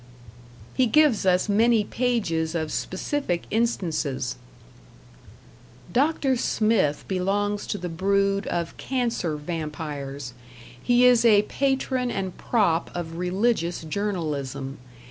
He gives us many pages of specific instances: Dr. Smith belongs to the brood of cancer vampires. He is a patron and prop of religious journalism.